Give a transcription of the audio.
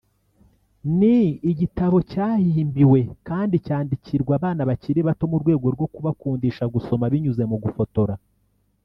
ni igitabo cyahimbiwe kandi cyandikirwa abana bakiri bato mu rwego rwo kubakundisha gusoma binyuze mu gufora